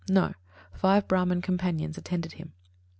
No; five Brāhman companions attended him.